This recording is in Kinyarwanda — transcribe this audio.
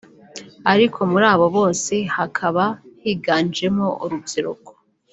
ariko muri abo bose hakaba higanjemo urubyiruko